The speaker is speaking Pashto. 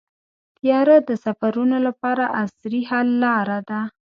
طیاره د سفرونو لپاره عصري حل لاره ده.